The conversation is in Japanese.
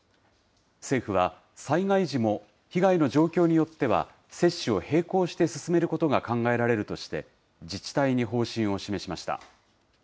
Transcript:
政府は、災害時も被害の状況によっては、接種を並行して進めることが考えられるとして、自治体に方針を示しました。